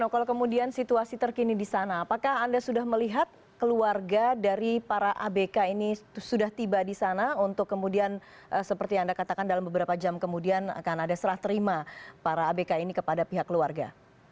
kalau kemudian situasi terkini di sana apakah anda sudah melihat keluarga dari para abk ini sudah tiba di sana untuk kemudian seperti anda katakan dalam beberapa jam kemudian akan ada serah terima para abk ini kepada pihak keluarga